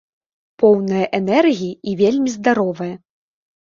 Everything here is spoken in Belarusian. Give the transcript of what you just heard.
Поўная энергіі і вельмі здаровая.